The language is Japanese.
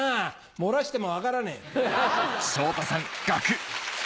漏らしても分からねえ。